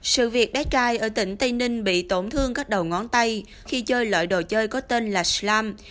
sự việc bé trai ở tỉnh tây ninh bị tổn thương các đầu ngón tay khi chơi loại đồ chơi có tên là slam